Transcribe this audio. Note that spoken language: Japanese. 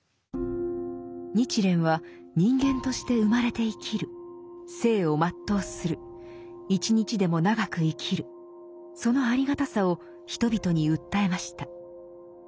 日蓮は人間として生まれて生きる生を全うする一日でも長く生きるそのありがたさを人々に訴えました。